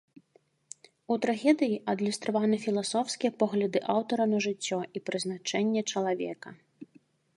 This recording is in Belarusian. У трагедыі адлюстраваны філасофскія погляды аўтара на жыццё і прызначэнне чалавека.